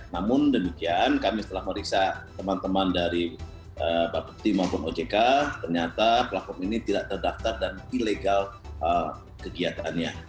namun demikian kami setelah meriksa teman teman dari bapepti maupun ojk ternyata platform ini tidak terdaftar dan ilegal kegiatannya